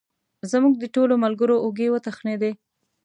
زموږ د ټولو ملګرو اوږې وتخنېدې.